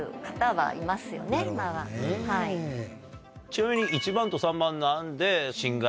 ちなみに。